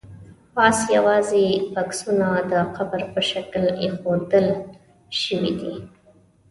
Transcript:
پاس یوازې بکسونه د قبر په شکل ایښودل شوي دي.